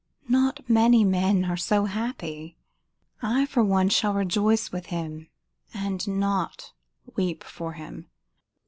Not many men are so happy. I, for one, shall rejoice with him, and not weep for him."